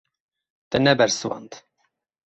Te nebersivand.